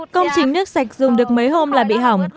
công trình nước sạch dùng được mấy hôm là bị hỏng